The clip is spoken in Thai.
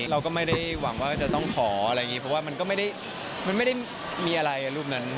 เราก็ไม่ได้หวังว่าจะต้องขออะไรอย่างนี้เพราะว่ามันก็ไม่ได้มันไม่ได้มีอะไรรูปนั้น